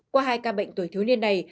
qua hai ca bệnh tuổi thiếu niên này